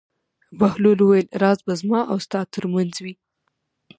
بهلول وویل: راز به زما او ستا تر منځ وي.